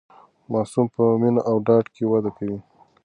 ماسوم په مینه او ډاډ کې وده کوي.